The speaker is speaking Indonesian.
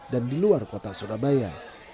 dan di luar kota surabaya